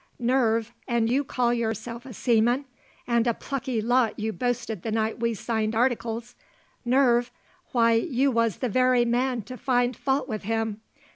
"Nerve? An' you call yourself a seaman! An' a plucky lot you boasted the night we signed articles. ... Nerve? Why, you was the very man to find fault with him.